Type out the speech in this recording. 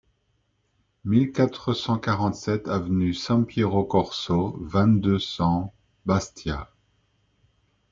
mille quatre cent quarante-sept avenue Sampiero Corso, vingt, deux cents, Bastia